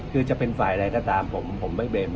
คือจะเป็นฝ่ายอะไรถ้าตามผมไม่เบน